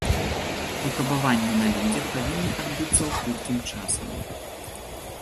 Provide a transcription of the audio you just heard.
Выпрабаванні на людзях павінны адбыцца ў хуткім часам.